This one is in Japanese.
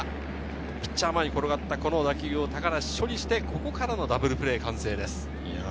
ピッチャー前に転がった打球を高梨処理して、ここからのダブルプレーです。